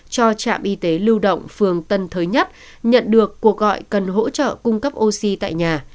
cho trạm y tế lưu động phường tân thới nhất nhận được cuộc gọi cần hỗ trợ cung cấp oxy tại nhà